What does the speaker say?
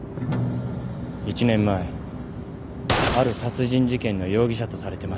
１年前ある殺人事件の容疑者とされてました。